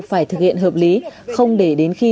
phải thực hiện hợp lý không để đến khi